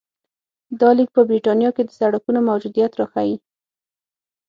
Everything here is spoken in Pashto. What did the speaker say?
دا لیک په برېټانیا کې د سړکونو موجودیت راښيي